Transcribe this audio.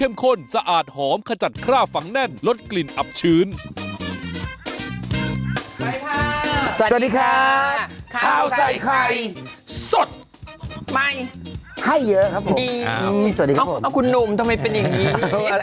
ไม่ให้เยอะครับผมสวัสดีครับผมอ้าวคุณหนุ่มทำไมเป็นอย่างนี้